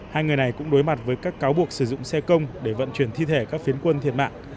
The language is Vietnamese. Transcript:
hai người này cũng đối mặt với các cáo buộc sử dụng xe công để vận chuyển thi thể các phiến quân thiệt mạng